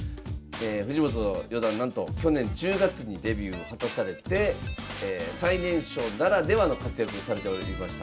藤本四段なんと去年１０月にデビューを果たされて最年少ならではの活躍をされておりました。